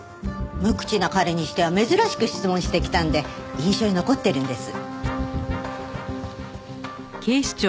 無口な彼にしては珍しく質問してきたんで印象に残ってるんです。